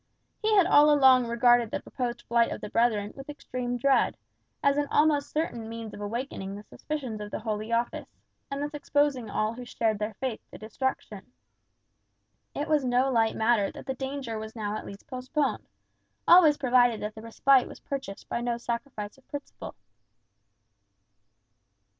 He had all along regarded the proposed flight of the brethren with extreme dread, as an almost certain means of awakening the suspicions of the Holy Office, and thus exposing all who shared their faith to destruction. It was no light matter that the danger was now at least postponed, always provided that the respite was purchased by no sacrifice of principle.